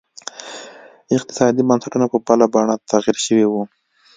اقتصادي بنسټونه په بله بڼه تغیر شوي وو.